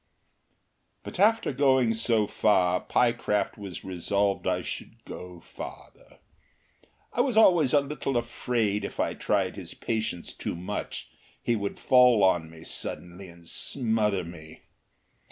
But after going so far Pyecraft was resolved I should go farther. I was always a little afraid if I tried his patience too much he would fall on me suddenly and smother me.